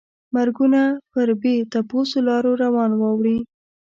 مرګونه پر بې تپوسو لارو روان واوړي.